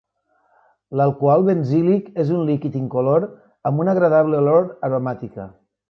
L'alcohol benzílic és un líquid incolor amb una agradable olor aromàtica.